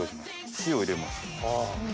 塩入れます。